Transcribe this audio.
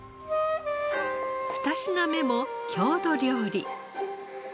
二品目も郷土料理。